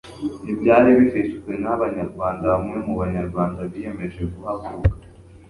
n'ibyari bifitwe n'Abanyarwanda, bamwe mu Banyarwanda biyemeje guhaguruka,